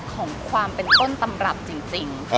ของความเป็นต้นตำรับจริง